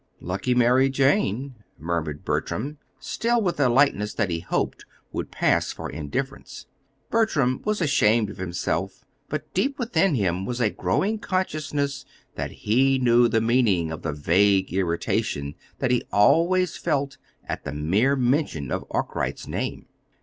"Lucky Mary Jane!" murmured Bertram, still with a lightness that he hoped would pass for indifference. (Bertram was ashamed of himself, but deep within him was a growing consciousness that he knew the meaning of the vague irritation that he always felt at the mere mention of Arkwright's name.)